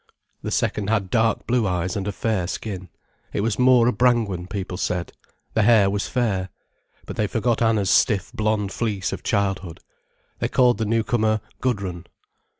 The second had dark blue eyes and a fair skin: it was more a Brangwen, people said. The hair was fair. But they forgot Anna's stiff blonde fleece of childhood. They called the newcomer Gudrun.